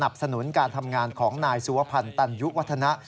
สนุนการทำงานของนายสุวพันธ์ตันยุวัฒนะ